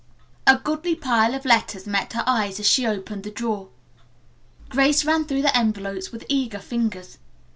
A goodly pile of letters met her eyes as she opened the drawer. Grace ran through the envelopes with eager fingers.